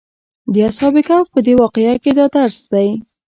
د اصحاب کهف په دې واقعه کې دا درس دی.